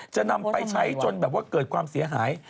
จะนำไปใช้จนแบบว่าเกิดความเสียหาย